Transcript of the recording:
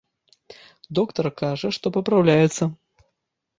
Доктар кажа, што папраўляецца.